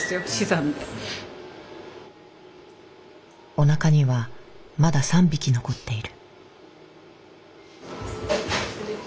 おなかにはまだ３匹残っている。